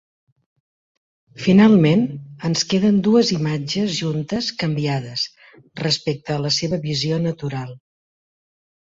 Finalment ens queden dues imatges juntes canviades respecte a la seva visió natural.